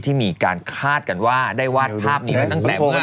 ที่มีการคาดกันว่าได้วาดภาพนี้ไว้ตั้งแต่เมื่อ